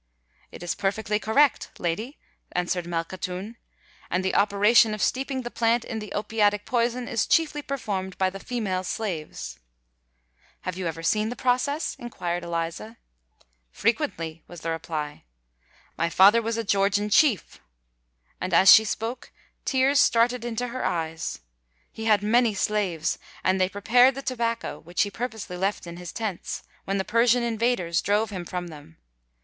"It is perfectly correct, lady," answered Malkhatoun; "and the operation of steeping the plant in the opiatic poison is chiefly performed by the female slaves." "Have you ever seen the process?" inquired Eliza. "Frequently," was the reply. "My father was a Georgian chief,"—and as she spoke, tears started into her eyes:—"he had many slaves, and they prepared the tobacco which he purposely left in his tents, when the Persian invaders drove him from them.